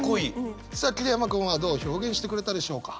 さあ桐山君はどう表現してくれたでしょうか？